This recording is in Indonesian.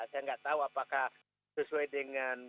saya nggak tahu apakah sesuai dengan